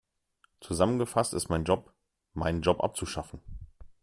Zusammengefasst ist mein Job, meinen Job abzuschaffen.